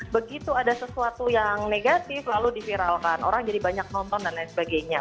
begitu ada sesuatu yang negatif lalu diviralkan orang jadi banyak nonton dan lain sebagainya